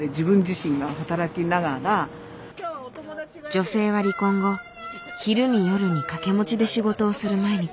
女性は離婚後昼に夜に掛け持ちで仕事をする毎日。